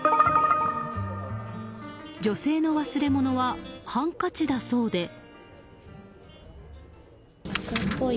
女性の忘れ物はハンカチだそうで。